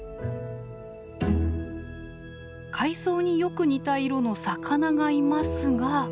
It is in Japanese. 海藻によく似た色の魚がいますが。